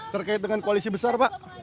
terkait dengan koalisi besar